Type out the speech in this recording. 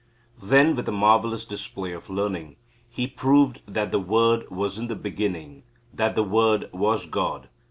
Then with a marvellous display of learning, he proved that the Word was in the beginning, that the Word was God.